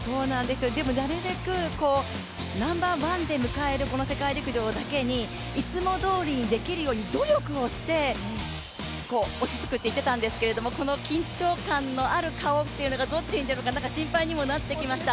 でもなるべくナンバーワンで迎えるこの世界陸上だけにいつもどおりにできるように努力して落ち着くと言っていたんですけれども、この緊張感のある顔というのがどっちに出るか、心配にはなってきました。